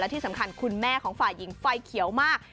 ที่สำคัญคุณแม่ของฝ่ายหญิงไฟเขียวมาก